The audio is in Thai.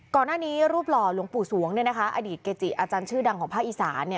รูปนี้รูปหล่อหลวงปู่สวงอดีตเกจิอาจารย์ชื่อดังของภาคอีสาน